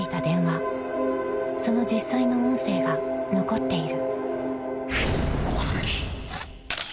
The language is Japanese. ［その実際の音声が残っている］